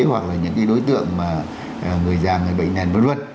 hoặc là những cái đối tượng mà người già người bệnh nền vật luật